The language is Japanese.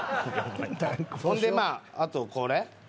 そんでまああとこれ。